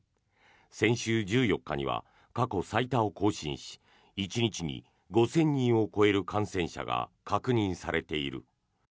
先週１４日には過去最多を更新し１日に５０００人を超える感染者が確認されている。